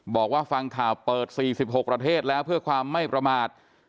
บอกว่าฟังข่าวเปิด๔๖ประเทศแล้วเพื่อความไม่ประมาท